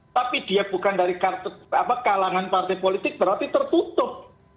tapi dia bukan dari kalangan partai politik berarti tertutup